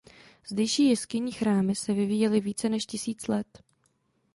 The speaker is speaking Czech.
Zdejší jeskynní chrámy se vyvíjely více než tisíc let.